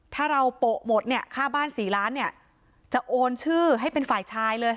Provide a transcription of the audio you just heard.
ถ้าเราโปะหมดเนี่ยค่าบ้าน๔ล้านเนี่ยจะโอนชื่อให้เป็นฝ่ายชายเลย